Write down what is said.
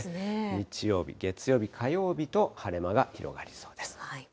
日曜日、月曜日、火曜日と晴れ間が広がりそうです。